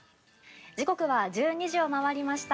時刻は１２時を回りました。